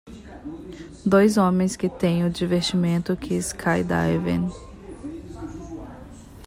Dois homens que têm o divertimento que skydiving.